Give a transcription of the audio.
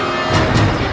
jangan bunuh saya